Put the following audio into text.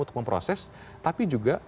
untuk memproses tapi juga